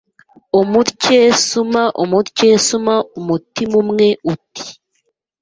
Umutyesuma mutyesuma Umutima umwe uti “